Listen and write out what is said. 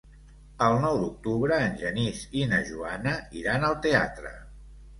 El nou d'octubre en Genís i na Joana iran al teatre.